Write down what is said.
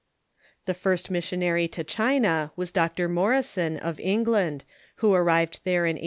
The first missionary to China was Dr. Morrison, of England, who arrived there in 1807.